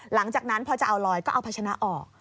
หลังจากนั้นพอจะเอาลอยก็เอาพัชนะออก